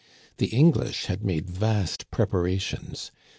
The Eng lish had made vast preparations.